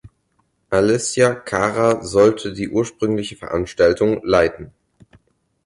Alessia Cara sollte die ursprüngliche Veranstaltung leiten.